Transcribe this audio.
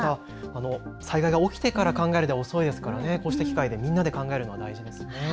災害が起きてから考えるのは遅いですから、こうした機会にみんなで考えるのは大事ですね。